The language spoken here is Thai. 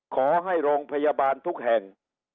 ขอให้โรงพยาบาลทุกแห่ง